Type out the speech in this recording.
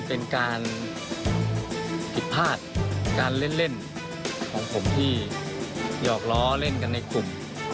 เป็นการผิดพลาดการเล่นของผมที่หยอกล้อเล่นกันในกลุ่ม